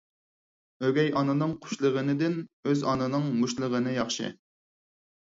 ئۆگەي ئانىنىڭ قۇشلىغىنىدىن ئۆز ئانىنىڭ مۇشتلىغىنى ياخشى.